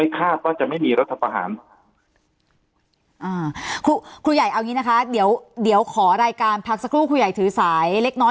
คุณใหญ่เอาอย่างนี้นะคะเดี๋ยวขอรายการพักสักครู่คุณใหญ่ถือสายเล็กน้อย